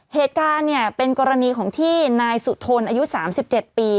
เหตุการณ์เป็นกรณีของที่นายสุธนอายุ๓๗ปี